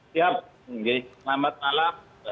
siap selamat malam